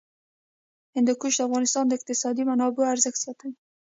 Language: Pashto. هندوکش د افغانستان د اقتصادي منابعو ارزښت زیاتوي.